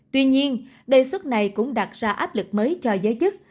tuy nhiên đề xuất này cũng đặt ra áp lực mới cho giới chức